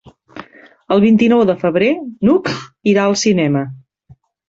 El vint-i-nou de febrer n'Hug irà al cinema.